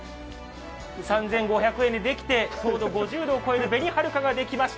３５００円でできて糖度５０度を超えるべにはるかができました。